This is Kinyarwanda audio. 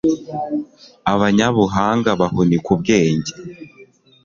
abanyabuhanga bahunika ubwenge